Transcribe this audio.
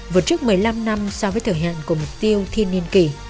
vừa trước một mươi năm năm so với thử hẹn của mục tiêu thiên niên kỷ